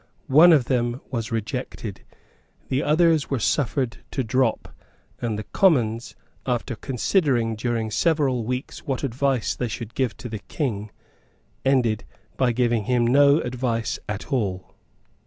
One of them was rejected; the others were suffered to drop; and the Commons, after considering during several weeks what advice they should give to the King, ended by giving him no advice at all.